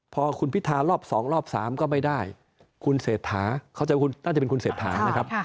พอคุณพิธารอบ๒รอบ๓ก็ไม่ได้คุณเศรษฐาเข้าใจว่าคุณน่าจะเป็นคุณเศรษฐานะครับ